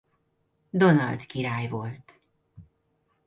Donald király volt.